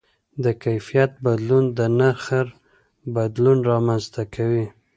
د کیفیت بدلون د نرخ بدلون رامنځته کوي.